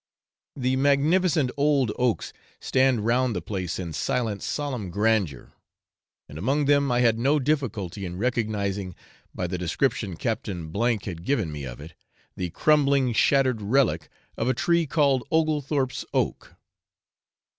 The magnificent old oaks stand round the place in silent solemn grandeur; and among them I had no difficulty in recognising, by the description Captain F had given me of it, the crumbling shattered relic of a tree called Oglethorpe's oak.